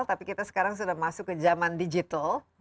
tapi kita sekarang sudah masuk ke zaman digital